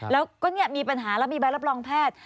แล้วก็มีปัญหาแล้วมีใบรับรองแพทย์